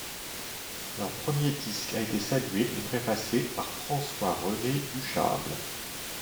Leur premier disque a été salué et préfacé par François-René Duchâble.